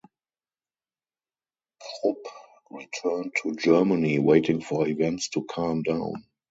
Krupp returned to Germany, waiting for events to calm down.